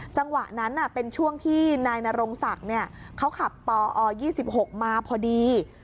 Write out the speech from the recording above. จังหวะนั้นเป็นช่วงที่นายนรงศักดิ์เขาขับปอ๒๖มาพอดี